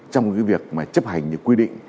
trong cái việc mà chấp hành những quy định